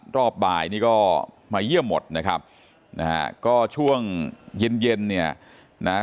รอบบ่ายนี่ก็มาเยี่ยมหมดนะครับนะฮะก็ช่วงเย็นเย็นเนี่ยนะฮะ